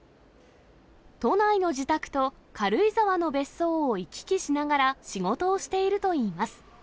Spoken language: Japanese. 都内の自宅と軽井沢の別荘を行き来しながら、仕事をしているといいます。